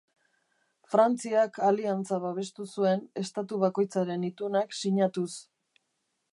Frantziak aliantza babestu zuen estatu bakoitzaren itunak sinatuz.